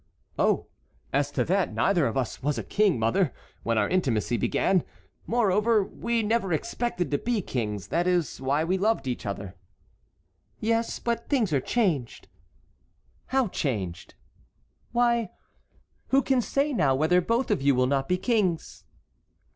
"Oh! as to that, neither of us was a king, mother, when our intimacy began. Moreover, we never expected to be kings; that is why we loved each other." "Yes, but things are changed." "How changed?" "Why, who can say now whether both of you will not be kings?"